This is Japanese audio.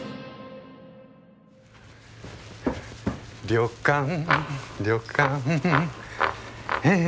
旅館旅館え